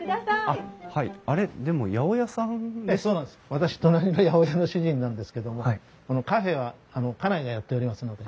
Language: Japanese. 私隣の八百屋の主人なんですけどもこのカフェは家内がやっておりますので。